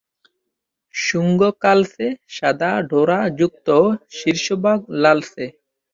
শুঙ্গ কালচে, সাদা ডোরা যুক্ত ও শীর্ষভাগ লালচে।